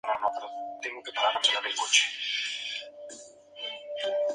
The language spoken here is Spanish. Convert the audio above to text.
Es la continuación del álbum anterior, Live At Brighton Beach.